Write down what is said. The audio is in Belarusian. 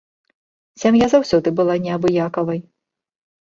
Сям'я заўсёды была неабыякавай.